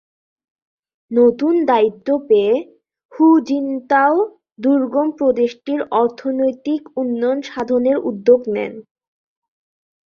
নতুন দায়িত্ব পেয়ে হু জিনতাও দুর্গম প্রদেশটির অর্থনৈতিক উন্নয়ন সাধনের উদ্যোগ নেন।